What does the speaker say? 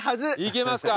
いけますか。